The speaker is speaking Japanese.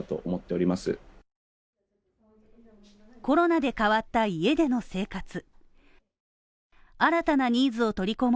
コロナで変わった家での生活。